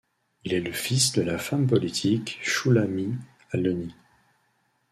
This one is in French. Il est le fils de la femme politique Shulamit Aloni.